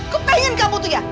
kepengen kamu tuh ya